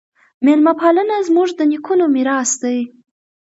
میلمه پالنه زموږ د نیکونو میراث دی.